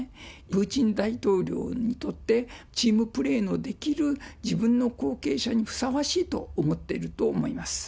プーチン大統領にとって、チームプレーのできる、自分の後継者にふさわしいと思っていると思います。